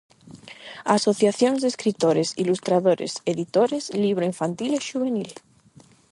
Asociacións de escritores, ilustradores, editores, libro infantil e xuvenil.